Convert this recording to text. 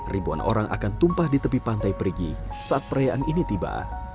ribuan orang akan tumpah di tepi pantai perigi saat perayaan ini tiba